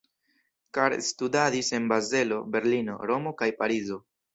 Cart studadis en Bazelo, Berlino, Romo kaj Parizo.